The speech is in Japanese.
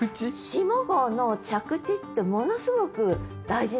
下五の着地ってものすごく大事なんです。